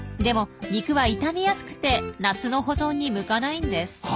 でも肉は傷みやすくて夏の保存に向かないんです。